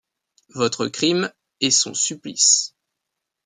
Votre crime, et son supplice.